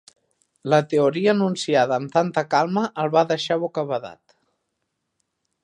La teoria enunciada amb tanta calma el va deixar bocabadat.